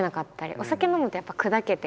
お酒飲むとやっぱりくだけて。